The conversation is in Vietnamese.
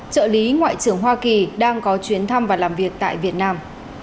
trợ lý ngoại trưởng hoa kỳ đang có chuyến thăm và làm việc tại việt nam